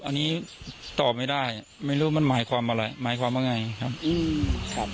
อันนี้ตอบไม่ได้ไม่รู้มันหมายความอะไรหมายความว่าไงครับอืมครับ